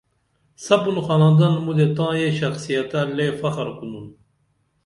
سپُن خاندان مُدے تاں یہ شخصیت تہ لے فخر کُنُن